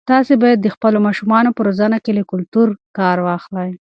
تاسي باید د خپلو ماشومانو په روزنه کې له کلتور کار واخلئ.